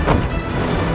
jurus braja dewa